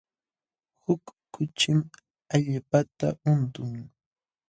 Huk kuchim allpata untun.